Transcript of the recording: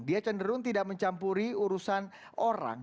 dia cenderung tidak mencampuri urusan orang